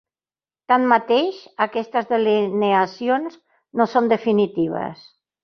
Tanmateix, aquestes delineacions no són definitives.